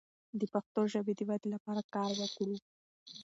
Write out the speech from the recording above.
د پښتو ژبې د ودې لپاره کار وکړو.